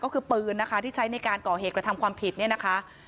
ก็คือปืนนะคะที่ใช้ในการก่อเหตุกระทำความผิดเนี่ยนะคะ